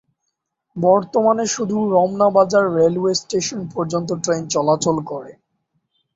বর্তমানে শুধু Ramna Bazar railway station পর্যন্ত ট্রেন চলাচল করে।